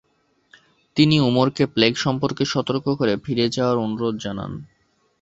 তিনি উমরকে প্লেগ সম্পর্কে সতর্ক করে ফিরে যাওয়ার অনুরোধ জানান।